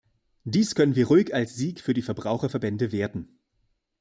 Dies können wir ruhig als Sieg für die Verbraucherverbände werten.